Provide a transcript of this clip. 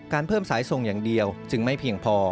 เพิ่มสายส่งอย่างเดียวจึงไม่เพียงพอ